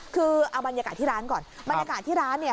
คือเอาบรรยากาศที่ร้านก่อนบรรยากาศที่ร้านเนี่ย